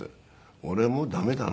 「俺もう駄目だな」